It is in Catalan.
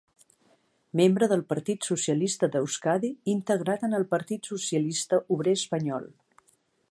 Membre del Partit Socialista d'Euskadi integrat en el Partit Socialista Obrer Espanyol.